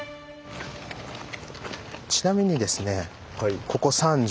ちなみにですね三条？